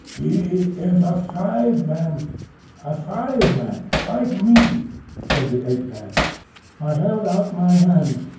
"He is a five man, a five man, a five man—like me," said the Ape man. I held out my hands.